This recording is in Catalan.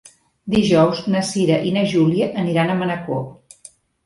Dijous na Cira i na Júlia aniran a Manacor.